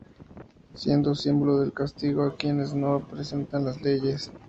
Siendo símbolo del castigo a quienes no respetan las leyes.